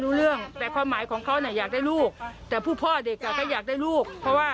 ตรงนี้ผัวอีก